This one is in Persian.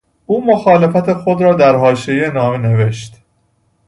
او مخالفت خود را در حاشیهی نامه نوشت.